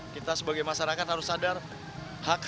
kita sebagai masyarakat harus sadar hak hak kita